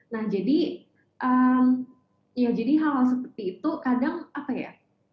nah jadi ya jadi hal hal seperti itu kadang apa ya